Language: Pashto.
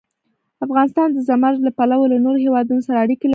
افغانستان د زمرد له پلوه له نورو هېوادونو سره اړیکې لري.